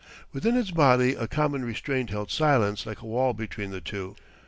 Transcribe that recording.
Within its body a common restraint held silence like a wall between the two.